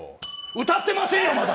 歌ってませんよ、まだ。